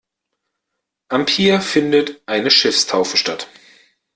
Am Pier findet eine Schiffstaufe statt.